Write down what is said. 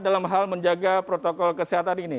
dalam hal menjaga protokol kesehatan ini